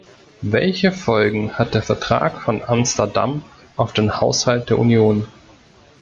Welche Folgen hat der Vertrag von Amsterdam auf den Haushalt der Union?